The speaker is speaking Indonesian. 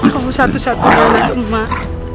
kau satu satunya bunuh emak